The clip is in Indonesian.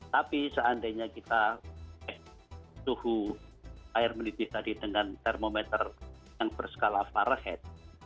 tapi seandainya kita suhu air mendidih tadi dengan termometer yang berskala farohead